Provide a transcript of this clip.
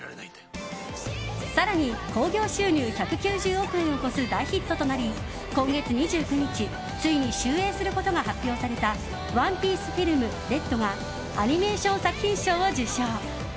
更に、興行収入１９０億円を超す大ヒットとなり今月２９日ついに終映することが発表された「ＯＮＥＰＩＥＣＥＦＩＬＭＲＥＤ」がアニメーション作品賞を受賞。